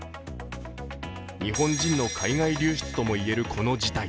日本人の海外流出とも言えるこの事態。